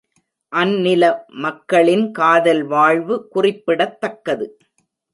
அந்நில மக்களின் காதல் வாழ்வு குறிப்பிடத்தக்கது.